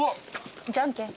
じゃんけん？